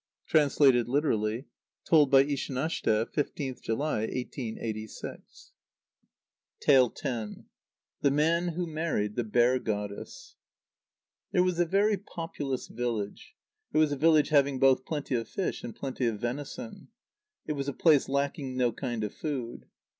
(Translated literally. Told by Ishanashte, 15th July, 1886.) x. The Man who Married the Bear Goddess. There was a very populous village. It was a village having both plenty of fish and plenty of venison. It was a place lacking no kind of food.